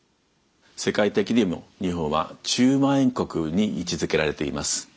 世界的にも日本は中まん延国に位置づけられています。